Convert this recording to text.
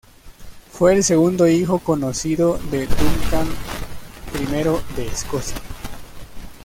Fue el segundo hijo conocido de Duncan I de Escocia.